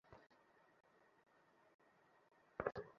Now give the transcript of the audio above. আমি যখন আমেরিকার বাইরে যাই, তখনই আমেরিকাকে বেশী ভালবাসি।